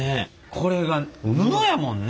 これが布やもんね。